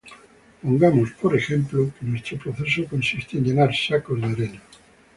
Pongamos, por ejemplo, que nuestro proceso consiste en llenar sacos de arena.